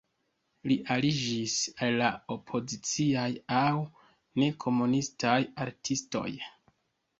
Li aliĝis al la opoziciaj aŭ ne-komunistaj artistoj.